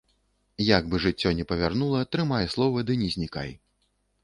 Як бы жыццё не павярнула, трымай слова ды не знікай!